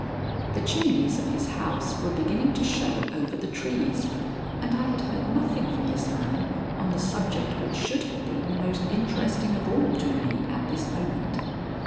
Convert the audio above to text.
The chimneys of his house were beginning to show over the trees, and I had heard nothing from this man on the subject which should have been the most interesting of all to me at this moment.